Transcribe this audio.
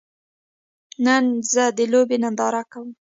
زه نن د لوبې ننداره کوم